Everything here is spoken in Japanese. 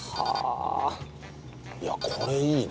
いやこれいいね。